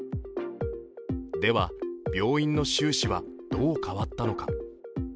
では病院の収支は、どう変わったのか。